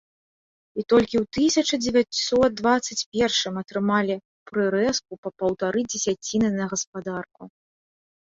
І толькі ў тысяча дзевяцьсот дваццаць першым атрымалі прырэзку па паўтары дзесяціны на гаспадарку.